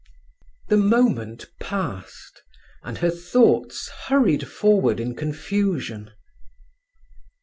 The moment passed, and her thoughts hurried forward in confusion.